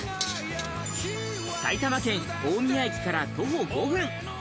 埼玉県大宮駅から徒歩５分。